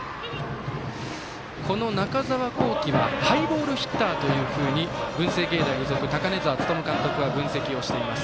中澤恒貴はハイボールヒッターというふうに文星芸大付属の高根澤力監督は分析をしています。